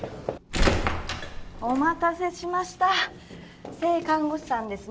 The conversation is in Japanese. お待たせしました正看護師さんですね